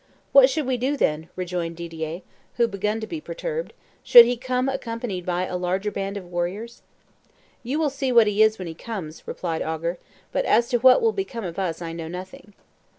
'What should we do, then,' rejoined Didier, who began to be perturbed, 'should he come accompanied by a larger band of warriors?' 'You will see what he is when he comes,' replied Ogger, 'but as to what will become of us I know nothing.